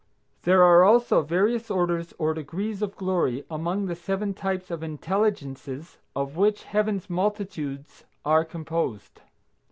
There are also various orders or degrees of glory among the seven types of intelligences of which Heaven's multitudes are composed.